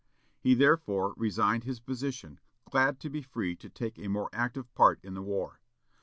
He therefore resigned his position, glad to be free to take a more active part in the war.